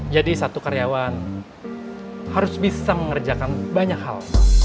jadi satu karyawan harus bisa mengerjakan banyak hal